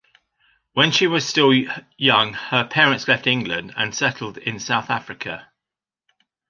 When she was still young her parents left England and settled in South Africa.